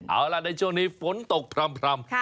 เอาล่ะในช่วงนี้ฝนตกพร่ำ